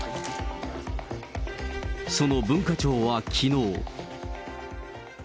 その文化庁はきのう。